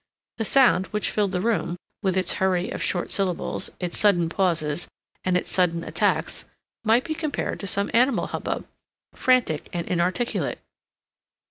The sound, which filled the room, with its hurry of short syllables, its sudden pauses, and its sudden attacks, might be compared to some animal hubbub, frantic and inarticulate.